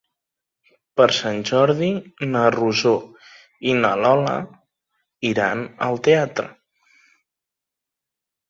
Per Sant Jordi na Rosó i na Lola aniran al teatre.